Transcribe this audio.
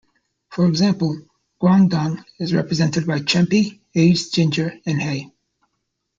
For example, Guangdong is represented by chenpi, aged ginger and hay.